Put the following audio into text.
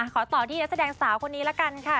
ขอต่อที่นักแสดงสาวคนนี้ละกันค่ะ